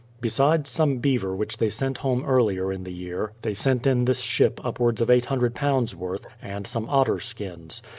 Be sides some beaver which they had sent home earlier in the year, they sent in this ship upwards of iSoo worth, and some otter skins.